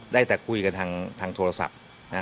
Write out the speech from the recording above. ได้แต่คุยกับทางโทรศัพท์